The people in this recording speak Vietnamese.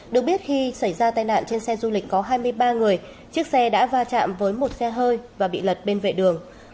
được biết khi xảy ra tai nạn trên xe du lịch có hai mươi ba người chiếc xe đã va chạm với một xe hơi và bị lật bên vệ đường